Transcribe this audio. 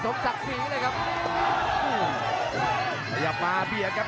ต้องบอกว่าคนที่จะโชคกับคุณพลน้อยสภาพร่างกายมาต้องเกินร้อยครับ